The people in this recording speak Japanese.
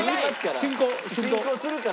進行するから。